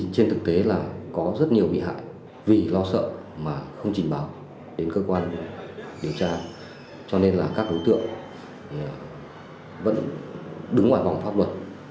trên thực tế là có rất nhiều bị hại vì lo sợ mà không trình báo đến cơ quan điều tra cho nên là các đối tượng vẫn đứng ngoài vòng pháp luật